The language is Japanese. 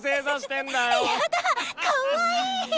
やだかわいい！